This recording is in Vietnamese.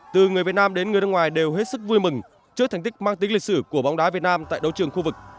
từ người việt nam đến người nước ngoài đều hết sức vui mừng trước thành tích mang tính lịch sử của bóng đá việt nam tại đấu trường khu vực